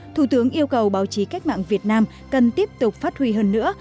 thủ tướng yêu cầu báo chí cách mạng việt nam cần tiếp tục phát huy hơn nữa